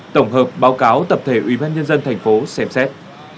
tổng hợp báo cáo tập thể ủy ban nhân dân tp xem xét